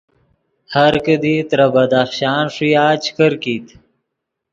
ہر کیدی ترے بدخشان ݰویا چے کرکیت